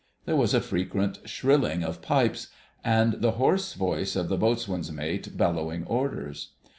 There was a frequent shrilling of pipes, and the hoarse voice of the Boatswain's Mate bellowing orders.